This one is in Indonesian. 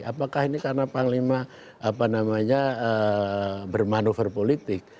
apakah ini karena panglima bermanuver politik